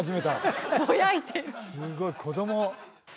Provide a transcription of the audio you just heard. すごい子供